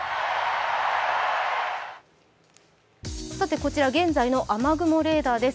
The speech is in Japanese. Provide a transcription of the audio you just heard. こちら現在の雨雲レーダーです。